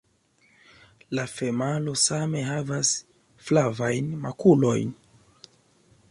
La femalo same havas flavajn makulojn.